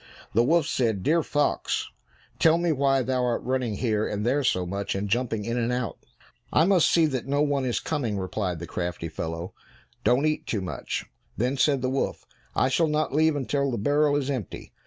The wolf said, "Dear fox, tell me why thou art running here and there so much, and jumping in and out?" "I must see that no one is coming," replied the crafty fellow. "Don't eat too much!" Then said the wolf, "I shall not leave until the barrel is empty."